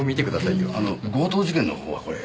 あの強盗事件のほうはこれ。